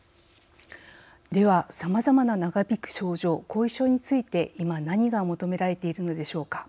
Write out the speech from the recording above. ではさまざまな長引く症状・後遺症について今何が求められているのでしょうか。